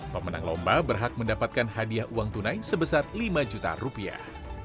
pemenang lomba berhak mendapatkan hadiah uang tunai sebesar lima juta rupiah